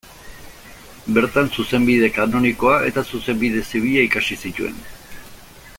Bertan zuzenbide kanonikoa eta zuzenbide zibila ikasi zituen.